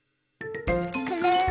くるん。